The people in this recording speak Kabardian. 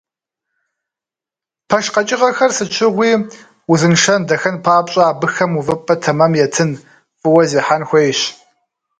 Пэш къэкӏыгъэхэр сыт щыгъуи узыншэн, дахэн папщӏэ, абыхэм увыпӏэ тэмэм етын, фӏыуэ зехьэн хуейщ.